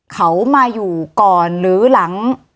เขามาอยู่ก่อนหรือหลัง